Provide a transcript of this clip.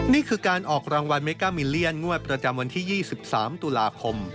นี่คือการออกรางวัลเมก้ามิลเลียนงวดประจำวันที่๒๓ตุลาคม